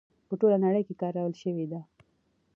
په ټوله نړۍ کې کارول شوې ده.